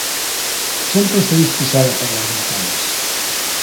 Sempre està disposada per a les batalles.